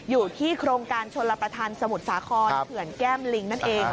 อยู่ที่โครงการชนรับประทานสมุทรสาครเขื่อนแก้มลิงนั่นเอง